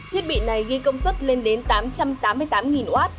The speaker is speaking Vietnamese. thiết bị này ghi công suất lên đến tám trăm tám mươi tám w